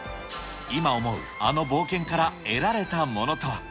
今思う、あの冒険から得られたものとは。